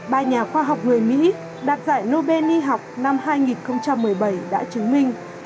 ba nhà khoa học người mỹ đạt giải nobel y học năm hai nghìn một mươi bảy đã chứng minh